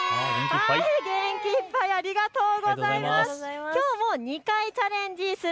元気いっぱい、ありがとうございます。